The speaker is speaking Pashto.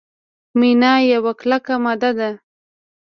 مینا یوه کلکه ماده ده.